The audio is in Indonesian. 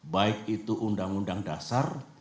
baik itu undang undang dasar